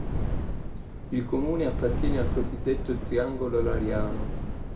Il comune appartiene al cosiddetto Triangolo Lariano.